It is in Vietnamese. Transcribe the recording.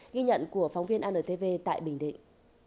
ghi nhận của phóng viên antv tại bình định